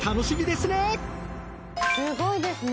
すごいですね。